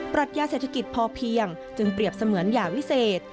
รัชญาเศรษฐกิจพอเพียงจึงเปรียบเสมือนหย่าวิเศษ